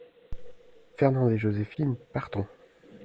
Fernande et Joséphine Partons !